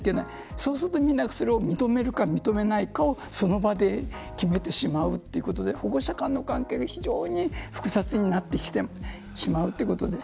そうするとそれを認めるか認めないかをその場で決めてしまうということで、保護者間の関係が非常に複雑になってしまうということです。